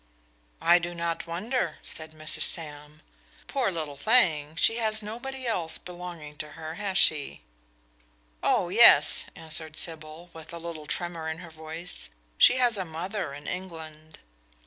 "I do not wonder," said Mrs. Sam. "Poor little thing she has nobody else belonging to her, has she?" "Oh, yes," answered Sybil, with a little tremor in her voice; "she has a mother in England."